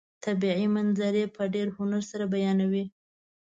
طبیعي منظرې په ډېر هنر سره بیانوي.